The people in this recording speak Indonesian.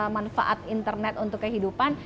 manfaat internet untuk kehidupan